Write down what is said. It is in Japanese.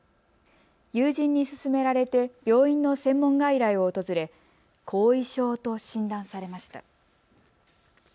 友人に勧められて病院の専門外来を訪れ後遺症と診断されました。